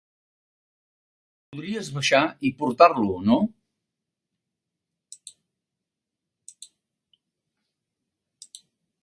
Podries baixar i portar-lo, no?